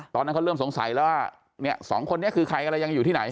ตอนนั้นเขาเริ่มสงสัยแล้วว่าเนี่ยสองคนนี้คือใครอะไรยังอยู่ที่ไหน